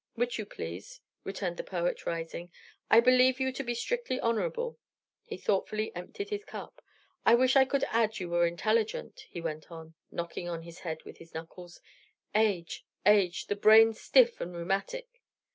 "Which you please," returned the poet, rising. "I believe you to be strictly honorable." He thoughtfully emptied his cup. "I wish I could add you were intelligent," he went on, knocking on his head with his knuckles. "Age, age! the brains stiff and rheumatic."